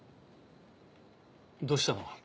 どうしたの？